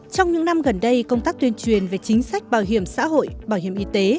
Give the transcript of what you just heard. trong những năm gần đây công tác tuyên truyền về chính sách bảo hiểm xã hội bảo hiểm y tế